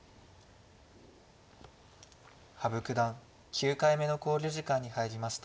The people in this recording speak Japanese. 羽生九段９回目の考慮時間に入りました。